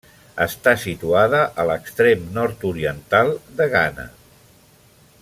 Està situada a l'extrem nord-oriental de Ghana.